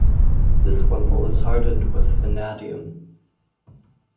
This wimble is hardened with vanadium.